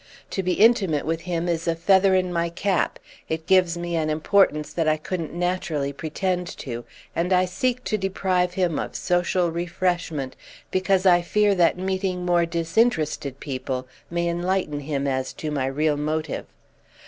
To be intimate with him is a feather in my cap; it gives me an importance that I couldn't naturally pretend to, and I seek to deprive him of social refreshment because I fear that meeting more disinterested people may enlighten him as to my real motive.